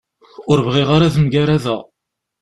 Ur bɣiɣ ara ad mgaradeɣ.